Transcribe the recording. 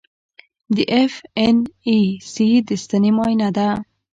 د ایف این ای سي د ستنې معاینه ده.